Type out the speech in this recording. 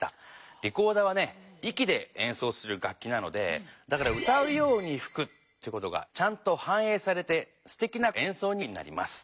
リコーダーはねいきでえんそうする楽きなのでだから歌うようにふくということがちゃんとはんえいされてすてきなえんそうになります。